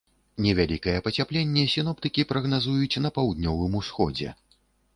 Невялікае пацяпленне сіноптыкі прагназуюць на паўднёвым усходзе.